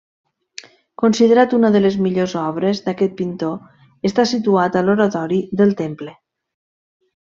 Considerat una de les millors obres d'aquest pintor, està situat a l'oratori del temple.